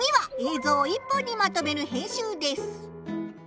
ぞうを１本にまとめる編集です。